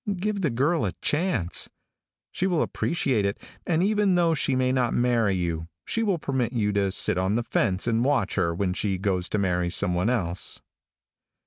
Give the girl a chance. She will appreciate it, and even though she may not marry you, she will permit you to sit on the fence and watch her when she goes to marry some one else.